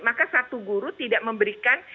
maka satu guru tidak memberikan